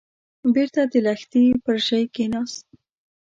بېرته د لښتي پر ژۍ کېناست.